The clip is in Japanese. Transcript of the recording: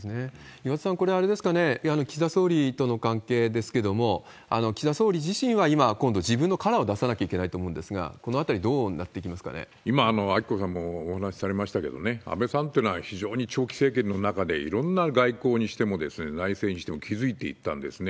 岩田さん、これあれですかね、岸田総理との関係ですけども、岸田総理自身は今、今度、自分のカラーを出さなきゃいけないと思うんですが、このあたり、今、明子さんもお話しされましたけどね、安倍さんというのは非常に長期政権の中で、いろんな外交にしても、内政にしても築いていったんですね。